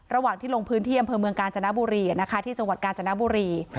ระหว่างที่ลงพื้นที่อำเภอเมืองกาญจนบุรีที่จังหวัดกาญจนบุรี